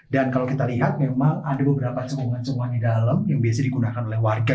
dan kalau kita lihat memang ada beberapa cengkungan cengkungan di dalam yang biasa digunakan oleh warga